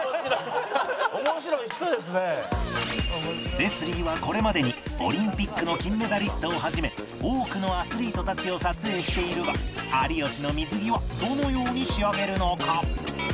レスリーはこれまでにオリンピックの金メダリストを始め多くのアスリートたちを撮影しているが有吉の水着はどのように仕上げるのか？